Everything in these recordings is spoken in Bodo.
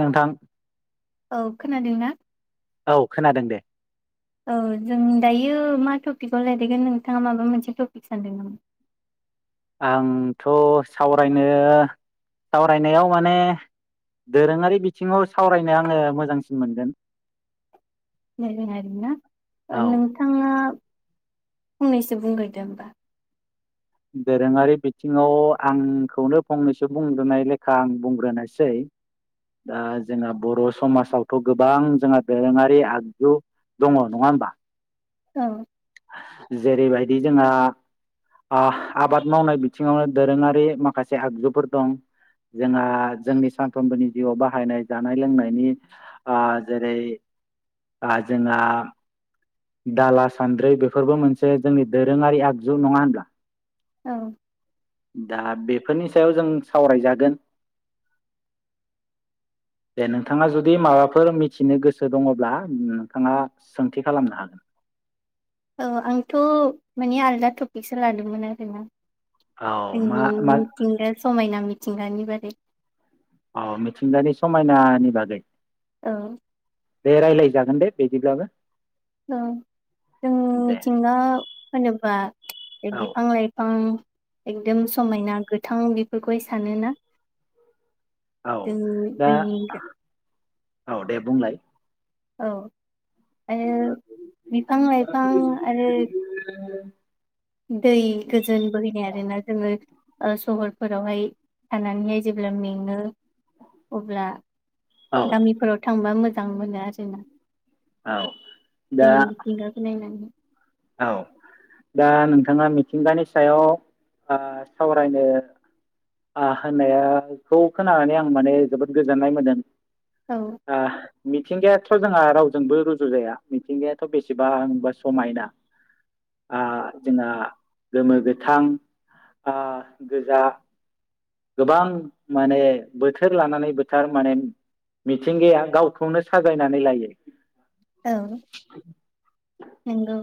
नोंथां औ खोनादों ना औ खोनादों दे औ जों दायो मा टपिकआव रायलायगोन नोंथाङा माबा मोनसे टपिक सानदों नामा आंथ' सावरायनो सावरायनायाव माने दोरोङारि बिथिङाव सावरायनो आङो मोजांसिन मोनगोन रायज्लायनो औ हागोन ना नोंथाङा फंनैसो बुंग्रोदो होमबा दोरोङारि बिथिङाव आंखौनो फंनैसो बुंग्रोनाय लेखा आं बुंग्रोनायसै दा जोंहा बर' समाजावथ' गोबां जोंहा दोरोङारि आगजु दङ नङा होमबा औ जेरैबायदि जोंहा हा आबाद मावनाय बिथिङावनो दोरोङारि माखासे आगजुफोर दं जोंहा जोंनि सानफ्रोमबोनि जिउआव बाहायनाय जानाय लोंनायनि ओ जेरै जोंहा दाला सान्द्रि बेफोरबो मोनसे जोंनि दोरोङारि आगजु नङा होनब्ला औ दा बेफोरनि सायाव जों सावरायजागोन दे नोंथाङा जुदि माबाफोर मिथिनो गोसो दङब्ला नोंथाङा सोंथि खालामनो हागोन औ आंथ' माने आलदा टपिकसो लादोंमोन आरोना औ मा मा जोंनि मिथिंगा समायना मि मिथिंगानि बारै औ मिथिंगानि समायनानि बागै औ दे रायज्लायजागोन दे बिदिब्लाबो औ जों दे मिथिंगा होनोबा औ बिफां लाइफां एकदम समायना गोथां बेफोरखौहाय सानोना औ जों दा जोंनि औ दे बुंलाय औ आरो बिफां लाइफां आरो दै गोजोन बोहैनाय आरोना जोङो सहरफोरावहाय थानानैहाय जेब्ला मेङो अब्ला औ गामिफोराव थांबा मोजां मोजां मोनो आरो ना। औ दा बेनि मिथिंगाखौ नायनानै औ दा नोंथाङा मिथिंगानि ओ सायाव सावरायनो होननायखौ खोनानानै आं माने जोबोद गोजोननाय मोनदों। औ आ मिथिंगायाथ' जोंहा रावजोंबो रुजु जाया मिथिंगायाथ' बेसेबांबा समायना आ जोंहा गोमो गोथां आ गोजा गोबां माने बोथोर लानानै बोथार माने मिथिंगाया गावखौनो साजायनानै लायो। औ नंगौ।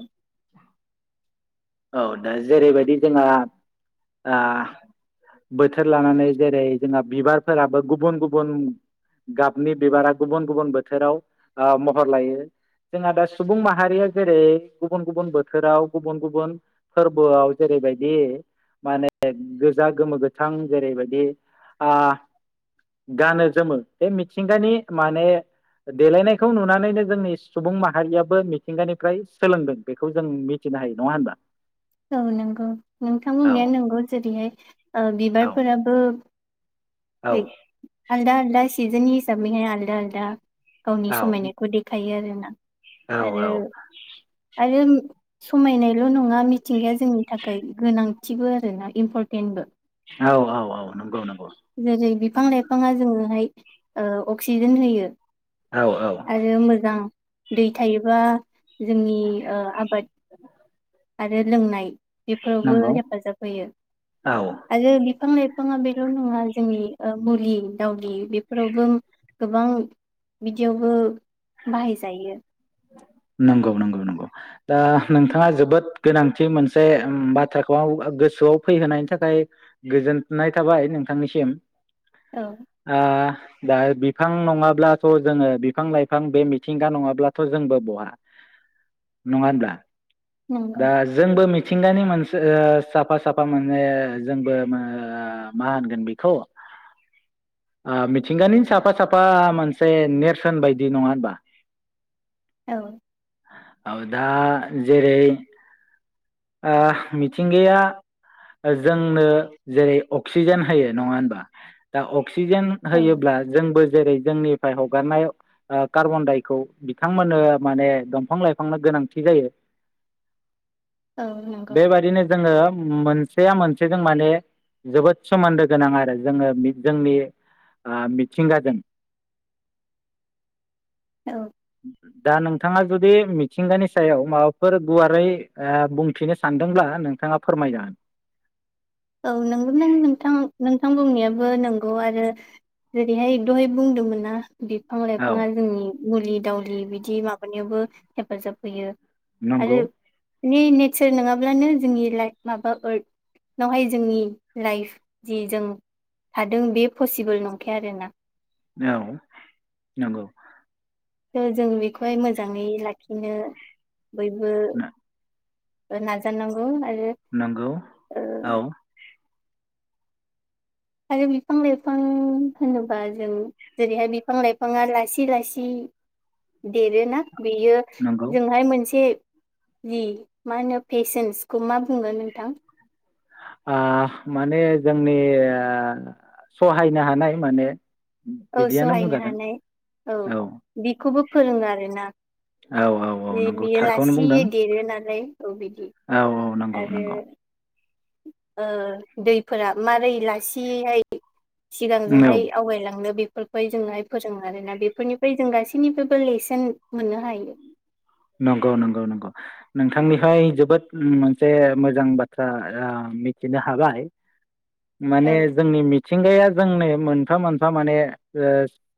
औ दा जेरैबायदि ओ जोंहा बोथोर लानानै जेरै जोंहा बिबारफोराबो गुबुन गुबुन गाबनि बिबारा गुबुन गुबुन बोथोराव महर लायो जोंहा दा सुबुं माहारिया जेरै गुबुन गुबुन बोथोराव गुबुन गुबुन फोरबोआव जेरैबायदि माने गोजा गोमो गोथां जेरैबायदि ओ गानो जोमो बे मिथिंगानि माने देलायनायखौ नुनानैनो जोंनि सुबुं माहारियाबो मिथिंगानिफ्राय सोलोंदों बेखौ जों मिथिनो हायो नङा होनबा। औ नंगौ नोंथां औ बुनाया नंगौ जेरैहाय ओ औ बिबारफोराबो औ दै आलदा आलदा सिजननि सै आलदा आलदा गावनि औ समायनायखौ देखायो आरो। ना। आरो आरो समायनायल' नङा मिथिंगाया जोंनि थाखाय गोनांथिबो आरो ना इम्परटेन्टबो औ औ औ नंगौ नंगौ। जेरै बिफां लाइफाङा जोंनोहाय अक्सिजेन होयो। औ औ आरो मोजां दै थायोबा जोंनि ओ आबाद [inaudible] आरो लोंनाय बेफोरावबो नंगौ हेफाजाब होयो औ आरो बिफां लाइफां फाङा बेल' नङा जोंनि मुलि दावलि बेफोरावबो गोबां बिदियावबो बाहायजायो। नंगौ नंगौ नंगौ दा नोंथाङा जोबोद गोनांथि मोनसे बाथ्राखौ गोसोआव फैहोनायनि थाखाय गोजोननाय थाबाय नोंथांनिसिम। औ आ दा बिफां नङाब्लाथ' जोङो बिफां लाइफां बे मिथिंगा नङाब्ला थ' जोंबो बहा नङा होनब्ला। नंगौ दा जोंबो मिथि मिथिंगानि मोनसे साफा साफा माने जोंबो मा होनगोन बेखौ मिथिंगानि साफा साफा मोनसे नेरसोन बायदि नङा होनबा। औ। औ दा जेरै मिथिंगाया जोंनो जेरै अक्सिजेन होयो नङा होनबा दा। अक्सिजेन औ होयोब्ला जोंबो जेरै जोंनिफ्राय हगारनाय कार्बन दायखौ बिथांमोननो माने दंफां लाइफांनो गोनांथि जायो औ नंगौ बेबादिनो जोङो मोनसे मोनसेजों माने जोबोद सोमोन्दो गोनां आरो जोङो जोंनि मिथिंगाजों औ दा नोंथाङा जुदि मिथिंगानि सायाव माबाफोर गुवारै बुंथिनो सानदोंब्ला नोंथाङा फोरमायनो हागोन औ नोंगौ नों नोंथां नोंथां बुंनायाबो नंगौ आरो जेरैहाय एकदहाय बुंदोंमोन ना बि फां औ लाइफाङा जोंनि मुलि दावलि बिदि माबानायावबो हेफाजाब होयो नंगौ नि नेचार नङाब्लानो जोंनि लाइक माबा ओरत नावहाय जोंनि लाइफ जि जों थादों बे पसिबोल नंखाया आरोना औ नंगौ थ' जों बेखौहाय मोजाङै लाखिनो बयबो नाजानांगौ आरो नंगौ ओ औ आरो बिफां लाइफां होनोबा जों जेरैहाय बिफां लाइफाङा लासै लासै देरोना बेयो नंगौ जोंहाय मोनसे जि मा होनो फेशन्सखौ मा बुङो नोंथां माने जोंनि आ सहायनो हानाय माने औ बिदियानो सहायनो बुंजागोन हानाय औ बेखौबो फोरोङो आरो ना औ औ औ नंगौ थारखौनो बुंदों देरो नालाय औ बिदि औ औ नंगौ आरो नंगौ दैफोरा मारै लासिहाय सिगां औ जहाय आवगायलांनो बे फोरहाय जोंहाय फोरोङो आरोना बेफोरनिफ्राय जों गासैनिफ्रायबो लेसन मोननो हायो नंगौ नंगौ नंगौ नोंथांनिहाय जोबोद मोनसे मोजां बाथ्रा मिथिनो हाबाय औ माने जोंनि मि मिथिंगाया जोंनो मोनफा मोनफा माने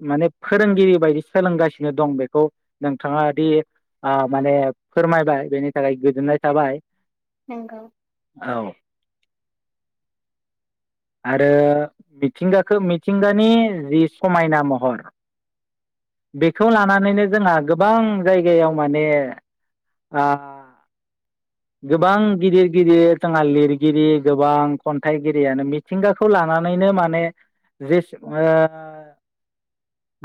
माने फोरोंगिरि बायदि सोलोंगासिनो दं बेखौ नोंथाङा दि माने फोरमायबाय बेनि थाखाय गोजोननाय थाबाय नोंगौ औ आरो मिथिंगखौ मिथिंगानि जि समायना महर बेखौ लानानैनो जोंहा गोबां जायगायाव माने गोबां गिदिर गिदिर जोंहा लिरगिरि गोबां खन्थाइगिरियानो मिथिंगाखौ लानानैनो माने जे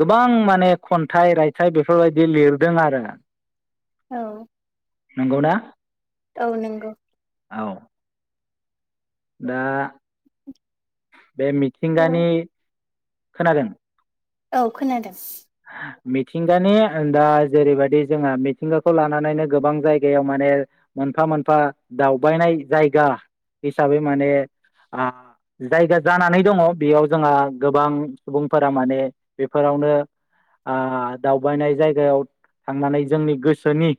गोबां माने खन्थाइ रायथाइ बेफोरबायदि लिरदों आरो औ नंगौ ना औ नंगौ औ दा बे औ मिथिंगानि खोनादों? औ खोनादों। मिथिंगानि दा जेरैबायदि जोंहा मिथिंगाखौ लानानैनो गोबां जायगायाव माने मोनफा- मोनफा दावबायनाय जायगा हिसाबै माने जायगा जानानै दङ बेयाव जोंहा गोबां सुबुंफोरा माने बेफोरावनो आ दावबायनाय जायगायाव थांनानै जोंनि गोसोनि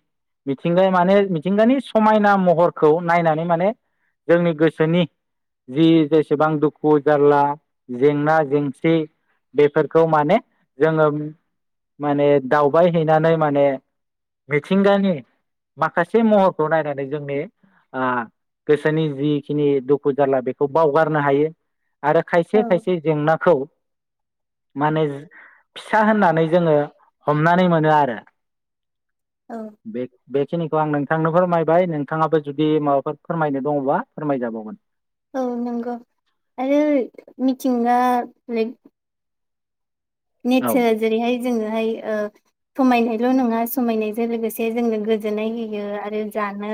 मिथिंगा माने मिथिंगानि समायना महरखौ नायनानै माने जोंनि गोसोनि जि जेसेबां दुखु जारला जेंना- जेंसि -बेफोरखौ माने जोङो माने दावबाय हैैनानै माने मिथिंगानि माखासे महरखौ नायनानै जोंनि आ गोसोनि जिखिनि दुखु- जाारला बेखौ बावगारनो हायो। आरो खायसे औ खायसे जेंनाखौ माने फिसा होननानै जोङो हमनानै मोनो आरो। औ बे बेखिनि थ' आं नोंथांनो फोरमायबाय नोंथाङाबो जुदि माबाफोर फोरमायनो दङबा फोरमायजाबावगोन। औ नंगौ आरो मिथिंगा [unintelligible] औ नेसार आ जेरैहाय जोङोहाय समायनायल' नङा समायनायजों लोगोसे जोंनो गोजोननाय होयो आरो जानो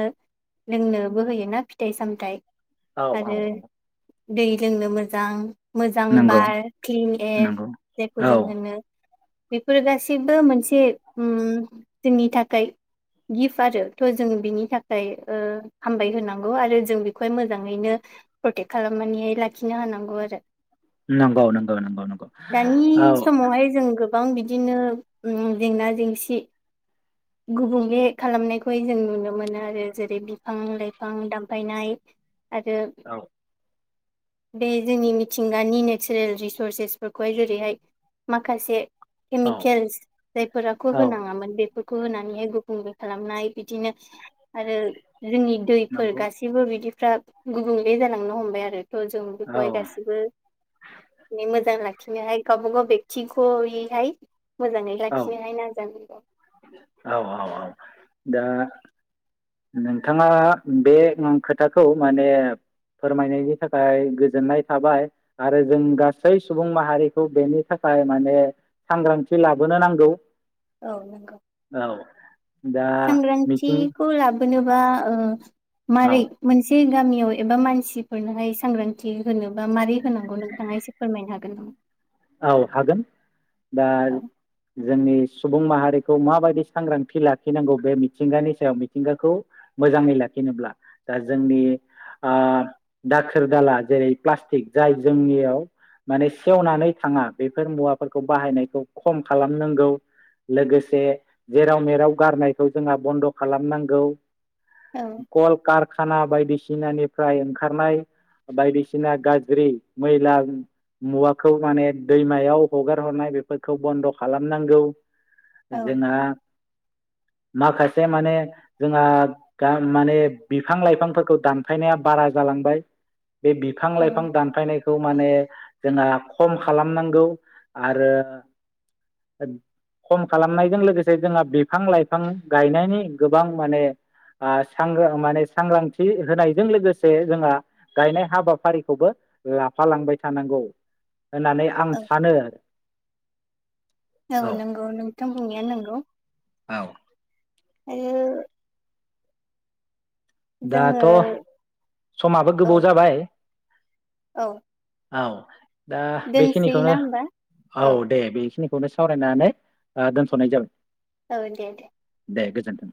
लोंनोबो होयो ना फिथाइ -सामथाइ। औ औ आरो औ। दै लोंनो मोजां। मोजां नंगौ बार क्लिन एर नंगौ [unintelligible] [unintelligible] औ जों होनो बेफोर गासैबो मोनसे उम जोंनि थाखै गिफ्ट आरो थ' जों बिनि थाखै ओ हामबाय होनांगौ आरो जों बेखौहाय मोजाङैनो प्रटेक्ट खालामनानै लाखिनो हानांगौ आरो। नंगौ नंगौ नंगौ नंगौ औ। दानि समावहाय जों गोबां बिदिनो उम जेंना- जेंसि गुबुंले खालामनायखौहाय जों नुनो मोनो आरो जेरै बिफां- लाइफां दामफायनाय आरो औ बे जोंनि मिथिंगानि नेचारेल रिसर्सेसफोरखौहाय जेरैहाय माखासे औ केमिकेल्स जायफोराखौ औ होनाङामोन बे [unintelligible] होनानैहाय गुबुंले खालामनाय बिदिनो आरो जोंनि दैफोर नंगौ गासिबो बिदि [unintelligible] गुबुंले जालांनो हमबाय आरो। थ' जों औ बेखौहाय गासिबो [unintelligible] मोजां लाखि [unintelligible] बेक्थिख'यै हाय मोजाङै औ लाखिनोहाय नाजानांगौ। औ औ औ दा नोंथाङा बे खोथाखौ माने फोरमायनायनि थाखाय गोजोननाय थाबाय आरो जों गासै सुबुं माहारिखौ बेनि थाखाय माने सांग्रांथि [unintelligible] [unintelligible] नांगौ। औ नंगौ। औ दा मिथिं सांग्रान्थिखौ [unintelligible] होनोबा ओ औ मारै मोनसे गामि एव एबा मानसिफोरनोहाय सांग्रां थि होनोबा मारै होनांगौ नोंथाङा एसे फोरमायनोहाग गेनह। औ हागोन दा औ जोंनिस सुबुं माहारिखौ माबायदि सांग्रांथि लाखिनांगौ बे मिथिंगानि सायाव मिथिंगाखौ मोजाङै लाखिनोब्ला ओ जोंनि आ दाखोर दाला जेरै प्लास्टिक जाय जोंनियाव माने सेवनानै थाङा बेफोर मुवाफोरखौ बाहायनायखौ खम खालामनांगौ लोगोसे जेराव मेराव गारनायखौ जोंहा बन्द' खालामनांगौ। औ कल-कारखाना बायदिसि दिनानिफ्राय ओंखारनाय बायदिसिना गाज्रि मैला मु-मुवाखौ माने दैमायाव हगार हरनाय बेफोरखौ बन्द' खालामनांगौ। औ जोंहा माखासे माने जोंहा गाम माने बिफां लाइफांफोरखौ दानफायनाया बारा जालांबाय। बे बिफां औ लाइफां दानफायनायखौ माने जोंहा खम खालामनांगौ आरो आरि खम खालामनायजों लोगोसे जोंहा बिफां लाइफां गायनायनि गोबां माने आ सांगो माने सांग्रांथि होनायजों लोगोसे जोंहा गायनाय हाबाफारिखौबो ओ आफालांबाय थानांगौ। होनानै आं औ सानो। औ नोंगौ नोंथां बुंनाया नोंगौ। औ। दायो। दाथ' समाबो औ गोबाव जाबाय। औ। औ। दा दोनसै बेखिनिखौनो ना होमबा औ दे बिखिनिख फबे सावरायनानै ओ दोनथ'नाय जाबाय। औ दे दे। दे गोजोनथों।